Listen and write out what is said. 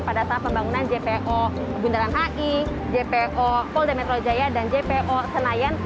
pada saat pembangunan jpo bundaran hi jpo polda metro jaya dan jpo senayan